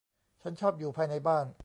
ฉันชอบอยู่ภายในบ้าน